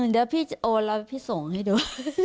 เดี๋ยวพี่จะโอนแล้วพี่ส่งให้ดู